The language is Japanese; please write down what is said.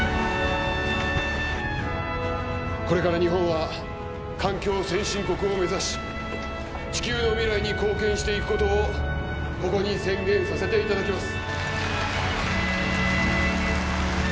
これから日本は環境先進国を目指し地球の未来に貢献していくことをここに宣言させていただきます